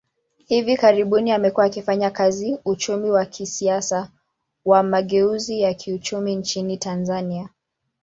Hivi karibuni, amekuwa akifanya kazi uchumi wa kisiasa wa mageuzi ya kiuchumi nchini Tanzania.